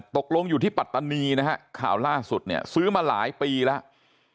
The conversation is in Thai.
ตกลงอยู่ที่ปัตตานีนะฮะข่าวล่าสุดเนี่ยซื้อมาหลายปีแล้ว